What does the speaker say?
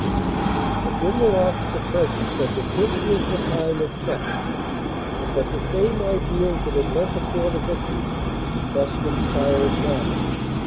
A General Officer present said that this was the time of test, and that the same ideals that had led the Corps to victory must inspire it now.